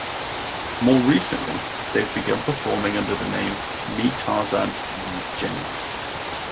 More recently they have begun performing under the name Me Tarzan, You Jane.